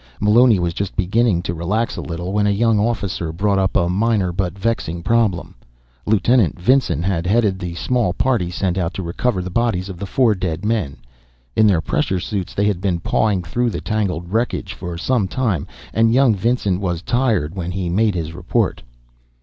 Meloni was just beginning to relax a little when a young officer brought up a minor but vexing problem. Lieutenant Vinson had headed the small party sent out to recover the bodies of the four dead men. In their pressure suits they had been pawing through the tangled wreckage for some time, and young Vinson was tired when he made his report.